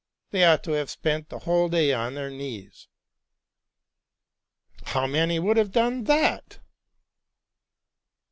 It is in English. They ought to have spent the whole day on their knees."' '* How many would have done that!